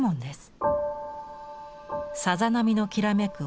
さざ波のきらめく